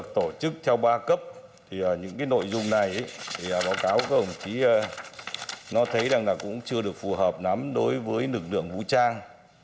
tổ chức theo ba cấp những nội dung này báo cáo của ông chí thấy chưa được phù hợp nắm đối với lực lượng vũ trang